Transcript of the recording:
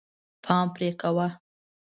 پام پرې کوه.